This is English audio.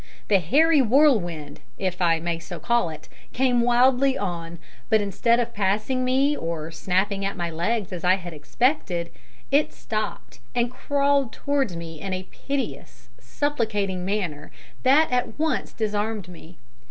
The hairy whirlwind, if I may so call it, came wildly on, but instead of passing me, or snapping at my legs as I had expected, it stopped and crawled towards me in a piteous; supplicating manner that at once disarmed me.